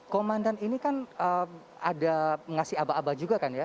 komandan ini kan ada mengasih aba aba juga kan ya